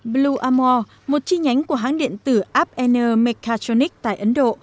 blue amor một chi nhánh của hãng điện tử appener mechatronic tại ấn độ